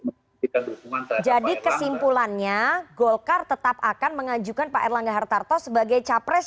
oke jadi kesimpulannya golkar tetap akan mengajukan pak erlangga hartarto sebagai capres